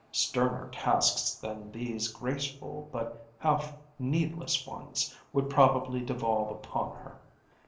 Sterner tasks than these graceful but half needless ones would probably devolve upon her.